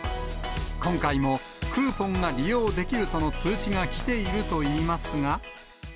今回もクーポンが利用できるとの通知が来ているといいますが。